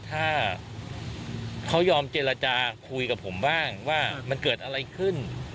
ถ้าเขายอมเจรจาคุยกับผมบ้างว่ามันเกิดอะไรขึ้น